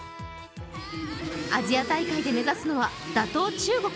アジア大会で目指すのは打倒・中国。